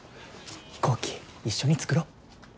飛行機一緒に作ろ。